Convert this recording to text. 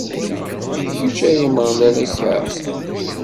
D kečč, ay Ameɣlal, akka?